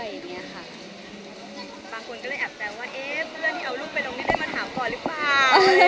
เจ้าที่เอาลูกไปตรงนี้ได้มันหาก่อนรึป่าว